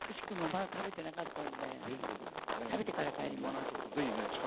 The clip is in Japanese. まだ食べてなかったんで食べてから帰ります。